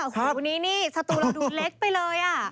อยู่นี้ค่ะโอ้โหนี่ศัตรูเราดูเล็กไปเลยอ่ะ